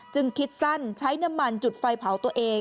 คิดสั้นใช้น้ำมันจุดไฟเผาตัวเอง